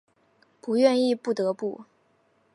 不愿意不得不